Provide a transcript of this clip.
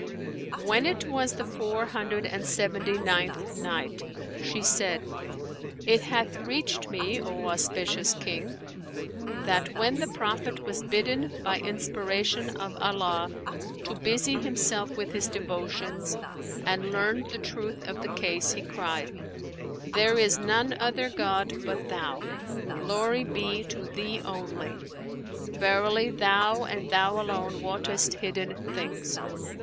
When it was the Four Hundred and Seventy ninth Night, She said, It hath reached me, O auspicious King, that when the Prophet was bidden by inspiration of Allah to busy himself with his devotions and learned the truth of the case, he cried, "There is none other god but Thou! Glory be to Thee only! Verily, Thou and Thou alone wottest hidden things."